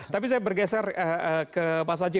tapi saya bergeser ke mas aji